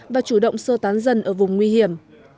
và chủ động sơ tán dân ở vùng nguy hiểm